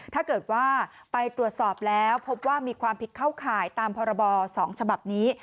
ถ้าเกิดว่าไปตรวจสอบแล้วพบว่ามีความผิดเข้าข่ายตามพรบ๒ฉบับนี้